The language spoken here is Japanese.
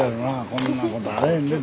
こんなことあらへんで。